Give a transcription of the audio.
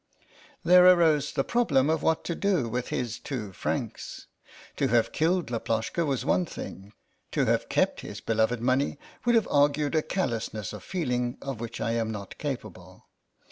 There arose the problem of what to do with his two francs. To have killed Laploshka was one thing; to have kept his beloved money would have argued a callousness of feeling of which I am not capable.